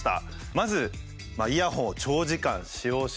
まず「イヤホンを長時間使用しない」と。